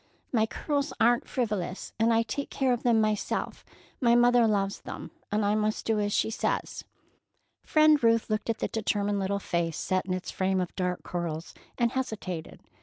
My curls are n't frivolous, and I take care of them myself. My mother loves them, and I must do as she says." Friend Ruth looked at the determined little face set in its frame of dark curls, and hesitated.